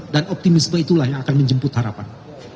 dan optimisme itulah yang akan menjemput harapan